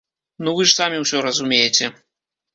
Ну вы ж самі ўсё разумееце!